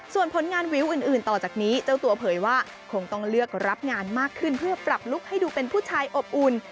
ส่วนผลงานวิวอื่นต่อจากนี้เจ้าตัวเผยว่าคงต้องเลือกรับงานมากขึ้นเพื่อปรับลุคให้ดูเป็นผู้ชายอบอุ่น